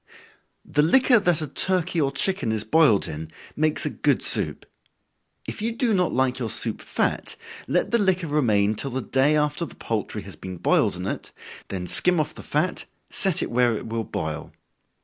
_ The liquor that a turkey or chicken is boiled in, makes a good soup. If you do not like your soup fat, let the liquor remain till the day after the poultry has been boiled in it, then skim off the fat, set it where it will boil.